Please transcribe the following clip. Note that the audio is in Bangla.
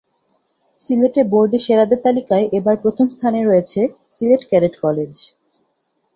সিলেটে বোর্ডে সেরাদের তালিকায় এবার প্রথম স্থানে রয়েছে সিলেট ক্যাডেট কলেজ।